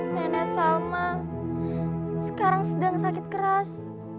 nenek sama sekarang sedang sakit keras